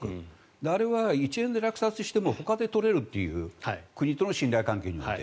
あれは１円で落札してもほかで取れるという国との信頼関係によって。